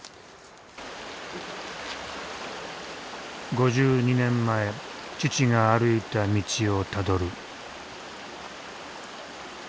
５２年前父が歩いた道をたどる。